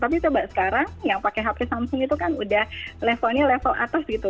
tapi coba sekarang yang pakai happy somesing itu kan udah levelnya level atas gitu